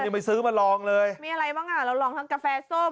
ไม่ซื้อมาลองเลยมีอะไรบ้างอ่ะเราลองทั้งกาแฟส้ม